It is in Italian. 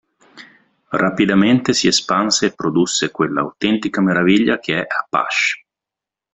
Rapidamente si espanse e produsse quell'autentica meraviglia che è Apache.